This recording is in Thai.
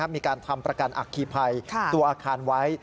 มีการทำประกันอัคคีภัยตัวอาคารไว้